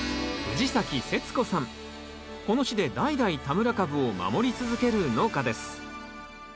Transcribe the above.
この地で代々田村かぶを守り続ける農家です